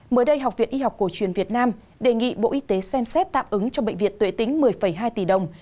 mới đây học viện y học cổ truyền việt nam đề nghị bộ y tế xem xét tạm ứng cho bệnh viện tuệ tĩnh một mươi hai tỷ đồng